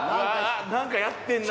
なんかやってんな。